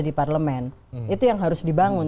di parlemen itu yang harus dibangun